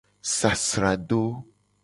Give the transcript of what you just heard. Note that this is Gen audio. Sasrado.